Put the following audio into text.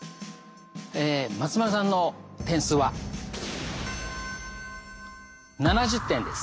え松丸さんの点数は７０点です。